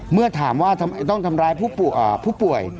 เมื่อถามว่าทำไมต้องทำร้ายผู้ป่วย